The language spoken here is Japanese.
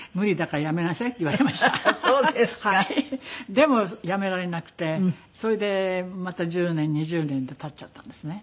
でもやめられなくてそれでまた１０年２０年と経っちゃったんですね。